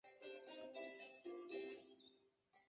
其形式定义并不和此直观完全吻合。